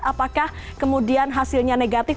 apakah kemudian hasilnya negatif